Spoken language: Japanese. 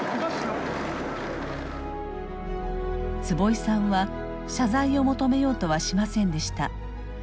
坪井さんは謝罪を求めようとはしませんでした。